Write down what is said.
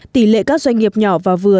tỷ lệ các doanh nghiệp nhỏ và vừa